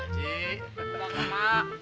betul lho kemah